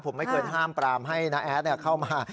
ผมไม่เคยห้ามปรามให้น้าแอดเข้ามา